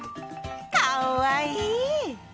かっわいい！